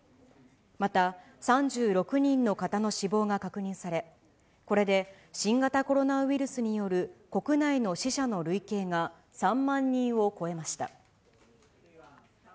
また３６人の方の死亡が確認され、これで新型コロナウイルスによる国内の死者の累計が３万人を超えました。